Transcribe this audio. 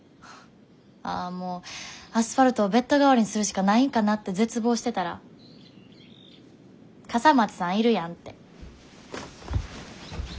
ああもうアスファルトをベッド代わりにするしかないんかなって絶望してたら笠松さんいるやんって。